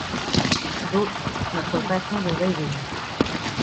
D'autres, notre façon de rêver.